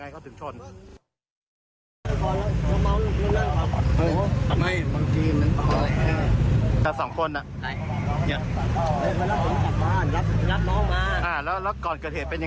คนที่คนนั้นขับเหรอมัวไหม